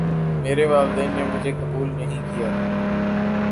میرے والدین نے مجھے قبول نہیں کیا